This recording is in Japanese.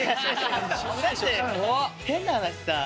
だって変な話さ。